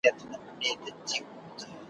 او لا یې هم، په رسنیو کي ,